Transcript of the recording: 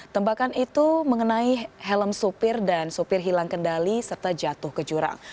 tembakan itu mengenai helm supir dan sopir hilang kendali serta jatuh ke jurang